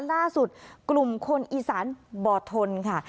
ล่าสุดกลุ่มคนอีสานบ่อทนค่ะ